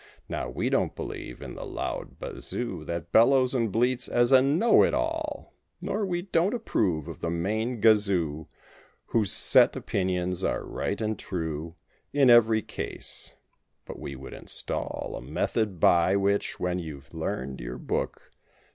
Now we don't believe in the loud bazoo That bellows and bleats as a "Know it all;" Nor we don't approve of the main gazoo Whose set opinions are right and true In every case. But we would install A method by which when you've learned your book.